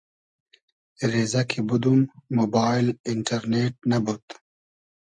رېزۂ کی بودوم موبایل اینݖئرنېݖ نئبود